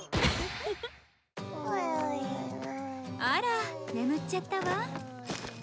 あら眠っちゃったわ。